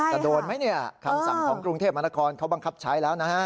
โดนไหมเนี่ยคำสั่งของกรุงเทพมนาคอนเขาบังคับใช้แล้วนะฮะ